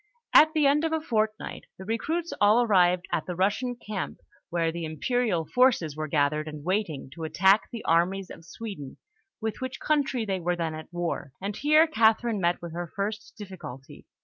At the end of a fortnight, the recruits all arrived at the Russian camp, where the imperial forces were gathered and waiting to attack the armies of Sweden, with which country they were then at war; and here Catherine met with her first difficulty.